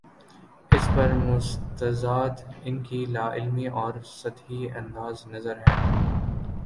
اس پر مستزاد ان کی لا علمی اور سطحی انداز نظر ہے۔